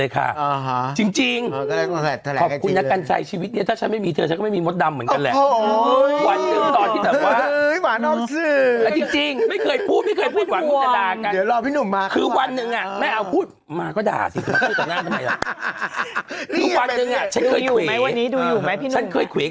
คุณจารกัญชายชีวิตเนี่ยาถ้าฉันไม่มีเธอฉันก็ไม่มีมสดำเหมือนกันแหละ